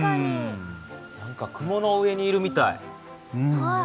何か雲の上にいるみたい。